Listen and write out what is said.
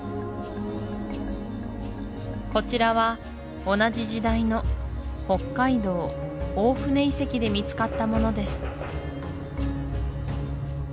こちらは同じ時代の北海道大船遺跡で見つかったものです